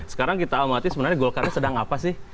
sekarang kita amati sebenarnya golkar nya sedang apa sih